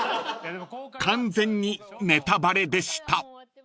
［完全にネタバレでした］